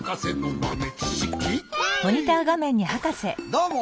どうも。